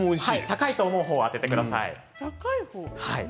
高いと思う方を上げてください。